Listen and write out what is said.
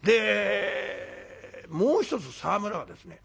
もう一つ沢村はですね